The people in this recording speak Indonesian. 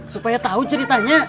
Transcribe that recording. supaya tau ceritanya